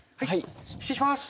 失礼します。